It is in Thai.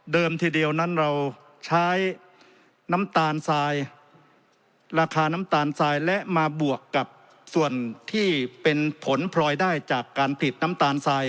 ทีเดียวนั้นเราใช้น้ำตาลทรายราคาน้ำตาลทรายและมาบวกกับส่วนที่เป็นผลพลอยได้จากการผลิตน้ำตาลทราย